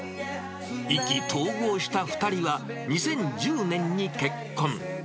意気投合した２人は、２０１０年に結婚。